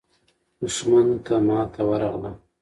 دښمن ته ماته ورغله.